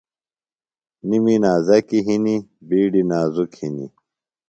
نیۡ می نازکیۡ ہِنیۡ بِیڈیۡ نازُک ہِنیۡ